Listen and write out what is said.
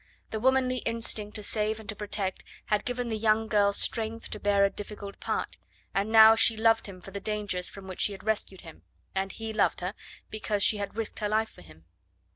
The womanly instinct to save and to protect had given the young girl strength to bear a difficult part, and now she loved him for the dangers from which she had rescued him, and he loved her because she had risked her life for him.